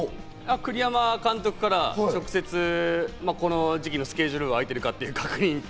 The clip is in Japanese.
栗山監督から直接、この時期のスケジュール、空いてるか？っていう確認と。